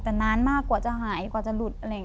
แต่นานมากกว่าจะหายกว่าจะหลุด